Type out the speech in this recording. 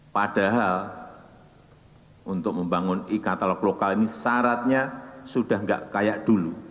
padahal untuk membangun e katalog lokal ini syaratnya sudah tidak kayak dulu